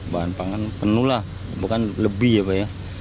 bahan pangan penuh lah bukan lebih apa ya